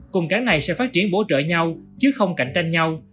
cùng cảng này sẽ phát triển bố trợ nhau chứ không cạnh tranh nhau